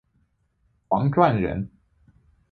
王篆人。